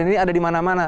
ini ada di mana mana